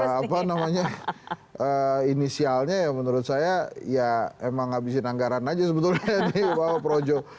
apa namanya inisialnya ya menurut saya ya emang habisin anggaran aja sebetulnya di bawah projo